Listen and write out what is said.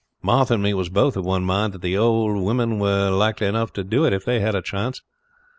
Martha and me was both of one mind that the old women were likely enough to do it if they had a chance.